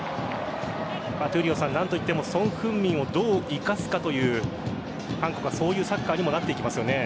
何といってもソン・フンミンをどう生かすかという韓国はそういうサッカーにもなっていきますよね。